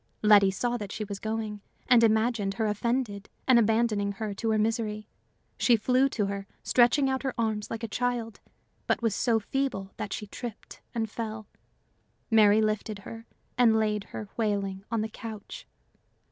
Letty saw that she was going, and imagined her offended and abandoning her to her misery. She flew to her, stretching out her arms like a child, but was so feeble that she tripped and fell. Mary lifted her, and laid her wailing on her couch.